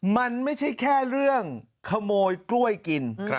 มันไม่ใช่แค่เรื่องขโมยกล้วยกิน